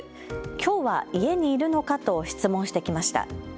きょうは家にいるのかと質問してきました。